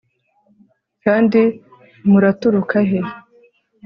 kandi muraturuka he